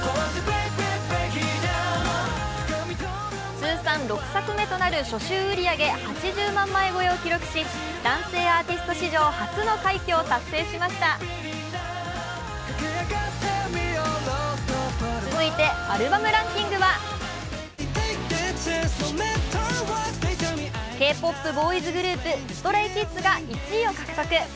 通算６作目となる初週売り上げ８０万枚超えを記録し、男性アーティスト史上初の快挙を達成しました続いて、アルバムランキングはＫ−ＰＯＰボーイズグループＳｔｒａｙＫｉｄｓが１位を獲得。